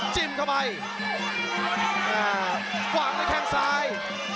จิ้มเข้าไป